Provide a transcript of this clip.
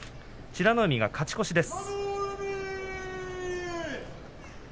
美ノ海が勝ち越しです。